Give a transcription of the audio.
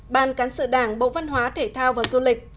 ban cán sự đảng bộ văn hóa thể thao và du lịch